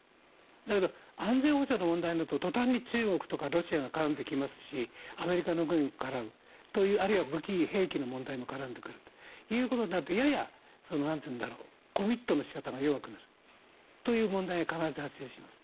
だけど、安全保障の問題になると途端に中国とかロシアが絡んできますしアメリカの軍が絡むあるいは武器、兵器の問題も絡んでくるということになるとややコミットの仕方が弱くなるという問題が必ず発生します。